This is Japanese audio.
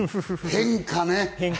変化ね。